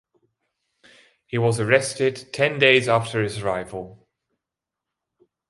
He was arrested ten days after his arrival.